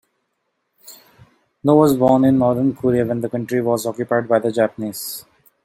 No was born in northern Korea when the country was occupied by the Japanese.